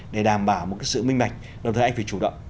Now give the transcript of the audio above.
để đảm bảo một cái sự minh bạch